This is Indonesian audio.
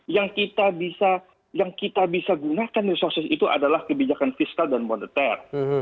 yang kita bisa gunakan resources itu adalah kebijakan fiskal dan moneter